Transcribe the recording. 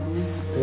え？